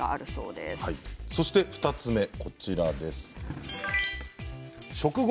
そして２つ目こちらです。